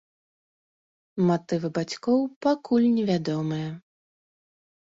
Матывы бацькоў пакуль невядомыя.